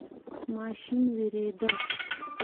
ماشین ویریده.